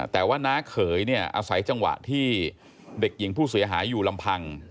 แต่ว่าน้าเขยเนี่ยอาศัยจังหวะที่เด็กหญิงผู้เสียหายอยู่ลำพัง